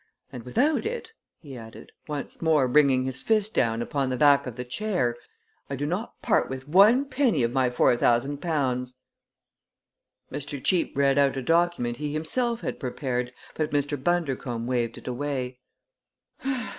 And without it," he added, once more bringing his fist down upon the back of the chair, "I do not part with one penny of my four thousand pounds!" Mr. Cheape read out a document he himself had prepared, but Mr. Bundercombe waved it away.